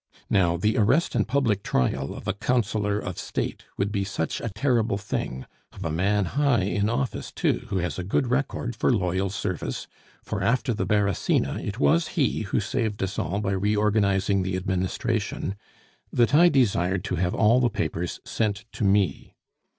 Now, the arrest and public trial of a Councillor of State would be such a terrible thing of a man high in office too, who has a good record for loyal service for after the Beresina, it was he who saved us all by reorganizing the administration that I desired to have all the papers sent to me.